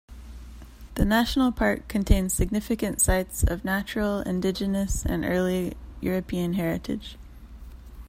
The national park contains significant sites of natural, indigenous and early European heritage.